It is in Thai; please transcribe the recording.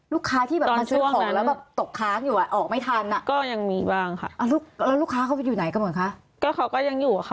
ลูกค้าที่มาซื้อของแล้วตกค้างอยู่อ่ะ